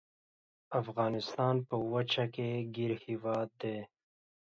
افغانستان په وچه کې ګیر هیواد دی.